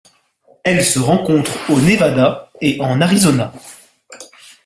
Elle se rencontre au Nevada et en Arizona.